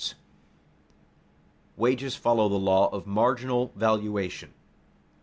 [Sidenote: Wages follow the law of marginal valuation] 3.